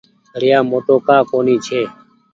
گهڙيآ موٽو ڪآ ڪونيٚ ڇي ۔